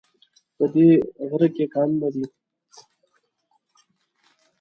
په دی غره کې کانونه دي